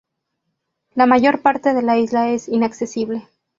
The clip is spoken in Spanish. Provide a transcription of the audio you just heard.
La mayor parte de la isla es inaccesible.